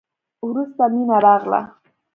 وروسته مينه راغله.